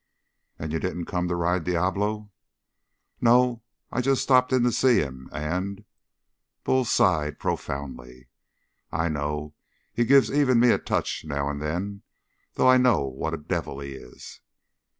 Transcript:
"And you didn't come to ride Diablo?" "No. I just stopped in to see him. And " Bull sighed profoundly. "I know. He gives even me a touch now and then, though I know what a devil he is!"